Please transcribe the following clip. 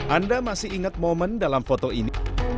anda masih ingat momen dalam foto ini